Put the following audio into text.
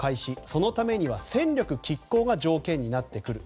そのためには戦力拮抗が条件になってくる。